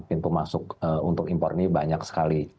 pintu masuk untuk impor ini banyak sekali